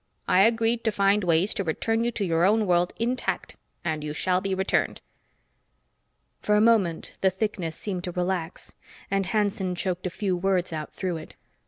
I agreed to find ways to return you to your own world intact, and you shall be returned." For a moment, the thickness seemed to relax, and Hanson choked a few words out through it.